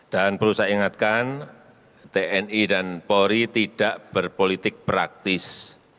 dan perlu saya ingatkan tni dan polri tidak berpolitik praktis